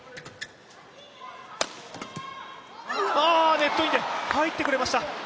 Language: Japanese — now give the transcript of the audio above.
ネットインで、入ってくれました。